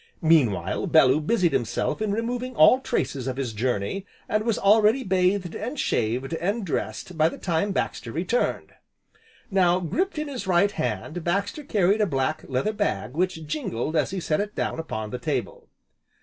Meanwhile Bellew busied himself in removing all traces of his journey, and was already bathed, and shaved, and dressed, by the time Baxter returned. Now gripped in his right hand Baxter carried a black leather bag which jingled as he set it down upon the table.